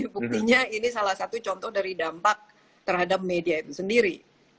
buktinya ini salah satu contoh dari dampak terhadap media itu sendiri